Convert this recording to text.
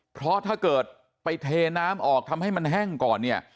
เพราะถ้าเกิดไปเทน้ำออกทำให้มันแห้งก่อนเนี่ย